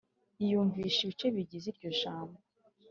yiyumvisha ibice bigize iryo jambo,